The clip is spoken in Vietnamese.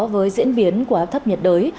với diễn biến quá thấp nhiệt đới